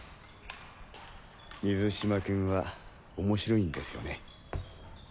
水嶋君は面白いんですよね。